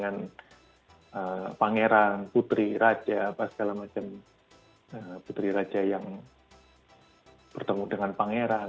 dengan pangeran putri raja apa segala macam putri raja yang bertemu dengan pangeran